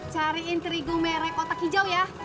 cariin terigu merek kotak hijau ya